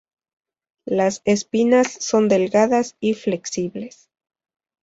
Las espinas son delgadas y flexibles.